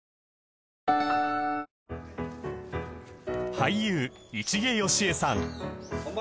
俳優市毛良枝さん